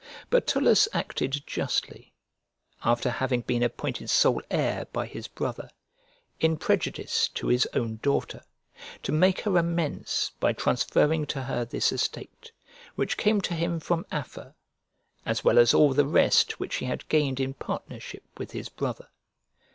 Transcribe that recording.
But Tullus acted justly, after having been appointed sole heir by his brother, in prejudice to his own daughter, to make her amends by transferring to her this estate, which came to him from Afer, as well as all the rest which he had gained in partnership with his brother.